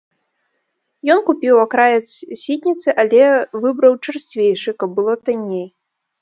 Ён купіў акраец сітніцы, але выбраў чарсцвейшы, каб было танней.